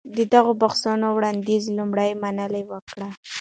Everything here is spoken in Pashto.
د دغو بحثو وړانديز لومړی منلي وکړ.